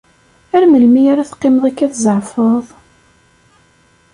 Ar melmi ara teqqimeḍ akka tzeɛfeḍ?